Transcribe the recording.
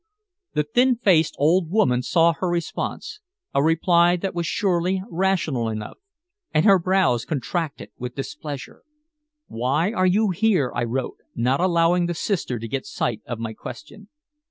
The thin faced old woman saw her response a reply that was surely rational enough and her brows contracted with displeasure. "Why are you here?" I wrote, not allowing the sister to get sight of my question.